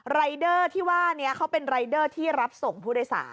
รายเดอร์ที่ว่านี้เขาเป็นรายเดอร์ที่รับส่งผู้โดยสาร